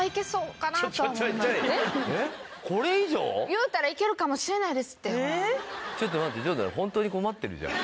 言うたらいけるかもしれないですってほら。